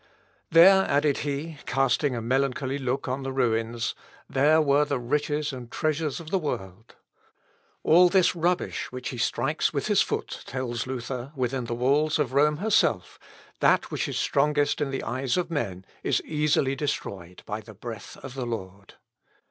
"There," added he, casting a melancholy look on the ruins, "there were the riches and treasures of the world." All this rubbish, which he strikes with his foot, tells Luther, within the walls of Rome herself, that what is strongest in the eyes of men is easily destroyed by the breath of the Lord.